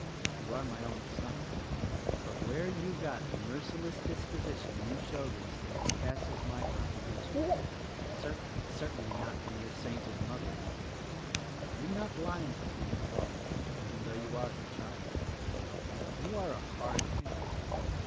You are my own son; but where you got the merciless disposition you show these days passes my comprehension, — certainly, certainly not from your sainted mother! I am not blind to your faults — even though you are her child. You are a hard man.